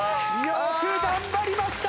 よく頑張りました！